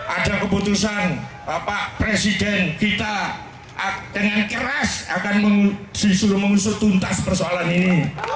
ada keputusan bapak presiden kita dengan keras akan disuruh mengusur tuntas persoalan ini